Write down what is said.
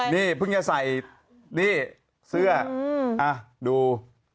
นี่เพิ่งจะใส่นี่เสื้อดู